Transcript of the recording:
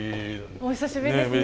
お久しぶりですね。